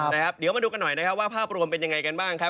เดี๋ยวมาดูกันหน่อยว่าภาพรวมเป็นอย่างไรกันบ้างครับ